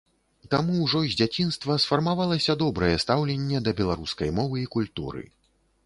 Таму ўжо з дзяцінства сфармавалася добрае стаўленне да беларускай мовы і культуры.